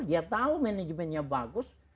dia tahu manajemennya bagus